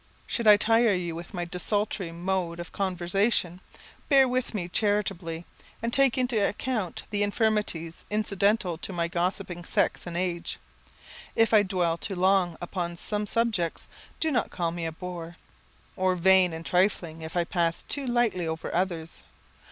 Should I tire you with my desultory mode of conversation, bear with me charitably, and take into account the infirmities incidental to my gossiping sex and age. If I dwell too long upon some subjects, do not call me a bore, or vain and trifling, if I pass too lightly over others.